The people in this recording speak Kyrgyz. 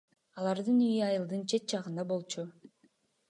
Алардын үйү айылдын чет жагында болчу.